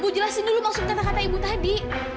gue jelasin dulu maksud kata kata ibu tadi